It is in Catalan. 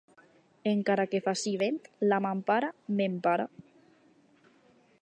Encara que faci vent, la mampara m'empara.